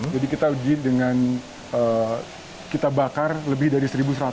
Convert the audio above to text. jadi kita uji dengan kita bakar lebih dari satu seratus